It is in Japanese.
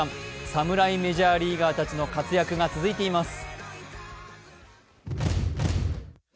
侍メジャーリーガーたちの活躍が続いています。